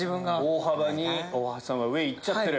大幅に大橋さんは上いっちゃってる。